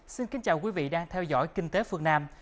xin kính chào quý vị đang theo dõi kinh tế phương nam